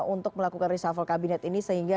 untuk melakukan reshuffle kabinet ini sehingga